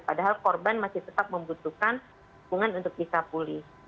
padahal korban masih tetap membutuhkan hubungan untuk bisa pulih